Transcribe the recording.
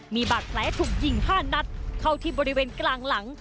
มีบาดแผลถูกยิง๕นัดเข้าที่บริเวณกลางหลัง